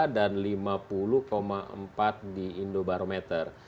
dan lima puluh empat di indobarometer